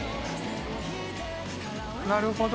なるほど。